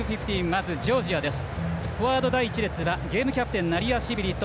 まず、ジョージアです。